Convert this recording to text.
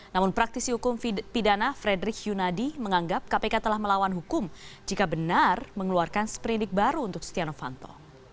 namun praktisi hukum pidana frederick yunadi menganggap kpk telah melawan hukum jika benar mengeluarkan seperindik baru untuk setia novanto